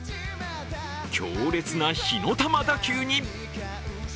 強烈な火の球打球に！